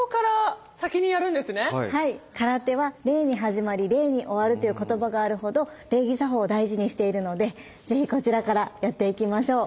「空手は礼に始まり礼に終わる」という言葉があるほど礼儀作法を大事にしているので是非こちらからやっていきましょう。